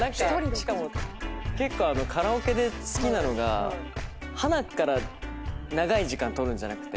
しかも結構カラオケで好きなのがはなっから長い時間取るんじゃなくて。